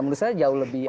menurut saya jauh lebih